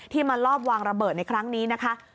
มาลอบวางระเบิดในครั้งนี้นะคะ